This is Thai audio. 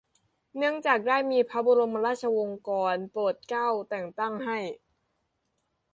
เนื่องจากได้มีพระบรมราชโองการโปรดเกล้า แต่งตั้งให้